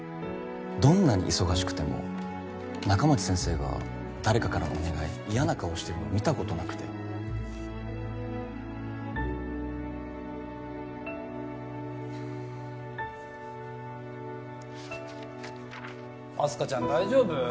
どんなに忙しくても仲町先生が誰かからのお願い嫌な顔してるの見たことなくてあす花ちゃん大丈夫？